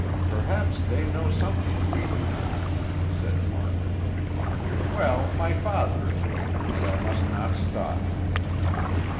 "Perhaps they know something we do not," said Margaret. "Well, my father is waiting and I must not stop."